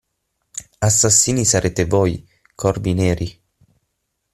Assassini sarete voi, corvi neri.